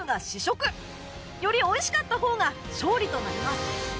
より美味しかった方が勝利となります